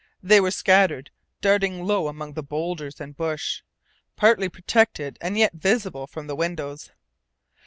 They were scattered, darting low among the boulders and bush, partly protected and yet visible from the windows.